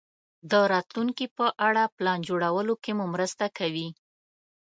د راتلونکې په اړه پلان جوړولو کې مو مرسته کوي.